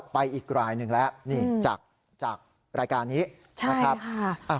ไปอีกหลายหนึ่งแล้วนี่จากจากรายการนี้ใช่ค่ะอ่า